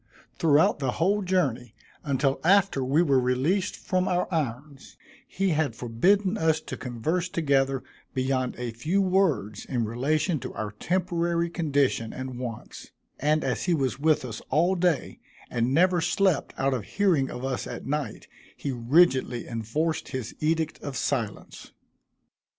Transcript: Throughout the whole journey, until after we were released from our irons, he had forbidden us to converse together beyond a few words in relation to our temporary condition and wants; and as he was with us all day, and never slept out of hearing of us at night, he rigidly enforced his edict of silence.